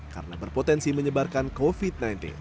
karena berpotensi menyebarkan covid sembilan belas